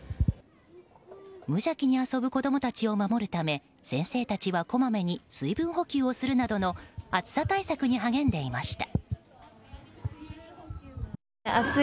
無邪気に遊ぶ子供たちを守るため先生たちはこまめに水分補給をするなどの暑さ対策に励んでいました。